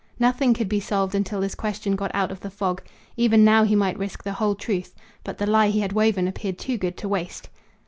Nothing could be solved until this question got out of the fog. Even now he might risk the whole truth; but the lie he had woven appeared too good to waste.